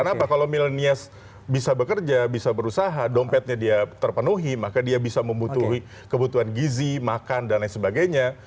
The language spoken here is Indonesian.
kenapa kalau milenial bisa bekerja bisa berusaha dompetnya dia terpenuhi maka dia bisa membutuhkan gizi makan dan lain sebagainya